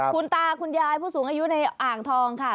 คุณตาคุณยายผู้สูงอายุในอ่างทองค่ะ